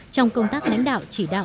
trong công tác lãnh đạo chỉ đạo